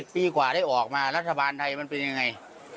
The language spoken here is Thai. ปีกว่าได้ออกมารัฐบาลไทยมันเป็นยังไง